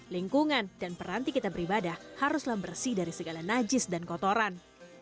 lingkungan dan peranti kita beribadah haruslah bersih dari segala najis dan kotoran